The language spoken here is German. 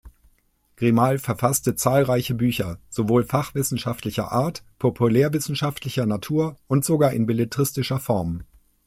Grimal verfasste zahlreiche Bücher sowohl fachwissenschaftlicher Art, populärwissenschaftlicher Natur und sogar in belletristischer Form.